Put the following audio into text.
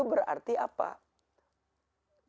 membesarkan dirinya mengecilkan orang lain ya